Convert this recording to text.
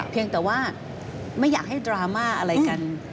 เพียงแต่ว่าไม่อยากให้ดราม่าอะไรกัน